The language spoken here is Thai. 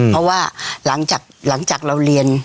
เพราะว่าหลังจากเราเรียน